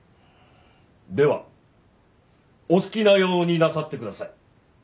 ではお好きなようになさってください。